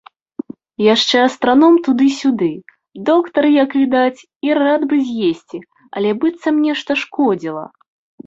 Яшчэ астраном туды-сюды, доктар, як відаць, і рад бы з'есці, але быццам нешта шкодзіла.